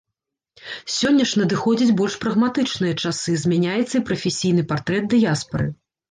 Сёння ж надыходзяць больш прагматычныя часы, змяняецца і прафесійны партрэт дыяспары.